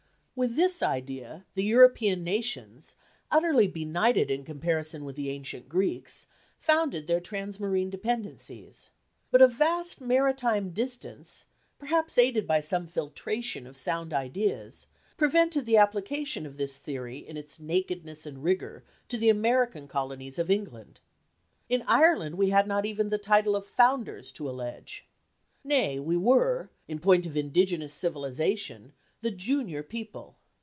With this idea, the European nations, utterly benighted in comparison with the ancient Greeks, founded their transmarine dependencies. But a vast maritime distance, perhaps aided by some filtration of sound ideas, prevented the application of this theory in its nakedness and rigour to the American Colonies of England. In Ireland we had not even the title of founders to allege. Nay, we were, in point of indigenous civilization, the junior people.